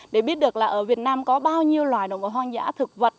để biết được là ở việt nam có bao nhiêu loài đồng hồ hoang dã thực vật